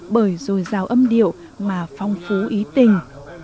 bởi dồi dào âm điệu mà phong phú ý tình